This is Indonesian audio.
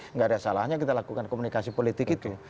tidak ada salahnya kita lakukan komunikasi politik itu